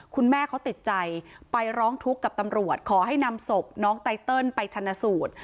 คุณแม่เขาติดใจไปร้องทุกข์กับตำรวจขอให้นำศพน้องไตเติลไปชนะสูตร